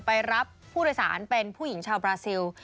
ไปรับผู้โดยสารเป็นผู้หญิงชาวบราซิล